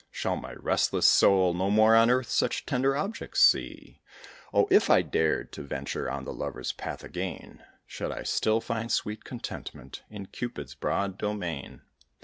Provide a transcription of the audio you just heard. Shall my restless soul no more on earth such tender objects see? Oh, if I dared to venture on the lover's path again, Should I still find sweet contentment in Cupid's broad domain?